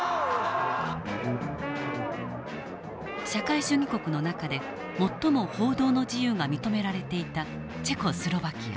社会主義国の中で最も報道の自由が認められていたチェコスロバキア。